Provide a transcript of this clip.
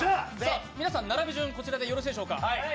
皆さん、並び順、こちらでよろしいでしょうか？